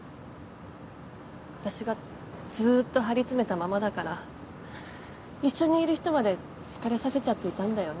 私がずっと張り詰めたままだから一緒にいる人まで疲れさせちゃっていたんだよね。